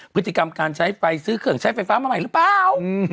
พฤติกรรมการใช้ไฟซื้อเครื่องใช้ไฟฟ้ามาใหม่หรือเปล่า